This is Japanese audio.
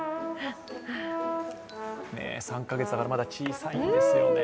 ３カ月だからまだ小さいんですよね